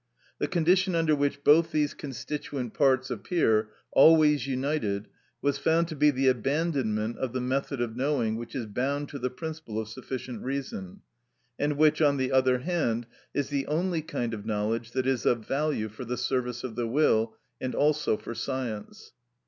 The condition under which both these constituent parts appear always united was found to be the abandonment of the method of knowing which is bound to the principle of sufficient reason, and which, on the other hand, is the only kind of knowledge that is of value for the service of the will and also for science.